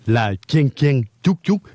là chen chen chút chút